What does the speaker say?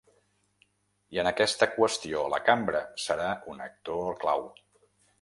I en aquesta qüestió la cambra serà un actor clau.